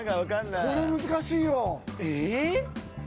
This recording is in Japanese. これ難しいよ。